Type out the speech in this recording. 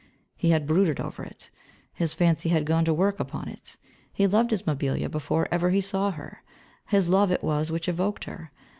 He had brooded over it, his fancy had gone to work upon it; he loved his Mabilla before ever he saw her; his love, it was, which evoked her.